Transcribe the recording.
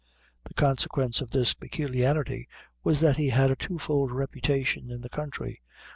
The consequence of this peculiarity was that he had a two fold reputation in the country.